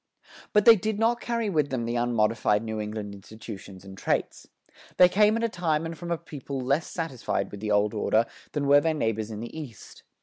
But they did not carry with them the unmodified New England institutions and traits. They came at a time and from a people less satisfied with the old order than were their neighbors in the East.